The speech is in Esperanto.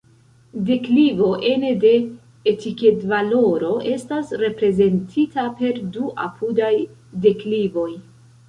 Deklivo ene de etikedvaloro estas reprezentita per du apudaj deklivoj.